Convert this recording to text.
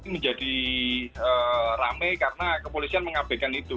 menjadi rame karena kepolisian mengabaikan itu